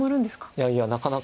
いやいやなかなか。